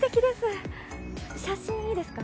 写真いいですか？